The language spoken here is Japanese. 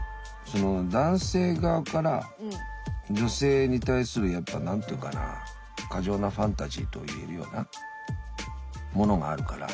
その男性側から女性に対するやっぱ何て言うかな過剰なファンタジーと言えるようなものがあるから。